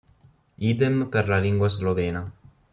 Idem per la lingua slovena.